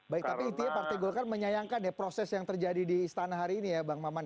baik tapi intinya partai golkar menyayangkan ya proses yang terjadi di istana hari ini ya bang maman